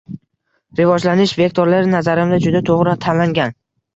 Rivojlanish vektorlari, nazarimda, juda to‘g‘ri tanlangan.